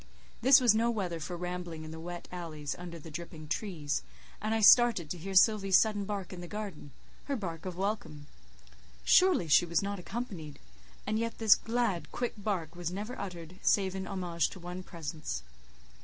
This was no weather for rambling in the wet alleys, under the dripping trees; and I started to hear Sylvie's sudden bark in the garden—her bark of welcome. Surely she was not accompanied and yet this glad, quick bark was never uttered, save in homage to one presence.